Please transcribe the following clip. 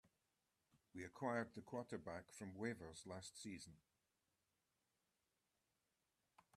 We acquired the quarterback from waivers last season.